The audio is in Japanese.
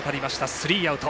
スリーアウト。